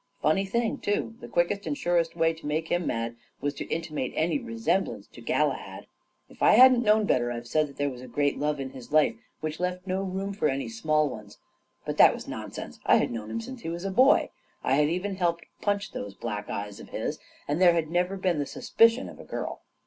Funny thing, too — the quickest and surest way to make him mad was to intimate any resemblance to Galahad ! If I hadn't known better, I'd have said there was a great love in his life which left no room for any small ones. But that was nonsense. I had known him since he was a boy; I had even helped punch those black eyes of his ; and there had never been the suspicion of a girl.